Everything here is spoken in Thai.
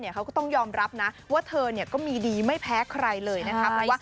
เขาก็ต้องยอมรับนะว่าเธอก็มีดีไม่แพ้ใครเลยนะครับ